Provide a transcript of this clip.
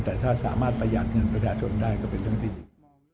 แต่ถ้าสามารถประหยัดเงินประชาชนได้ก็เป็นเรื่องที่ดี